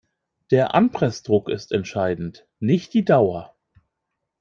Der Anpressdruck ist entscheidend, nicht die Dauer.